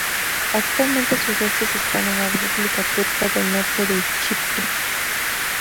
Actualmente sus restos están en la República Turca del Norte de Chipre.